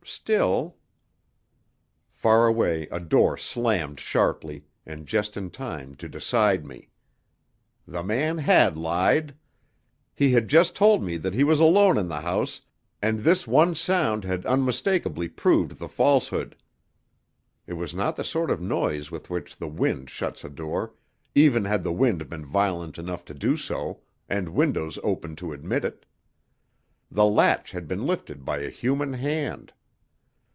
Still Far away a door slammed sharply, and just in time to decide me. The man had lied. He had just told me that he was alone in the house, and this one sound had unmistakably proved the falsehood. It was not the sort of noise with which the wind shuts a door, even had the wind been violent enough to do so, and windows open to admit it. The latch had been lifted by a human hand.